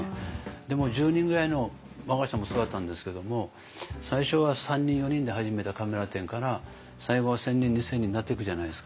でも１０人ぐらいの我が社もそうだったんですけども最初は３人４人で始めたカメラ店から最後は１，０００人２，０００人になっていくじゃないですか。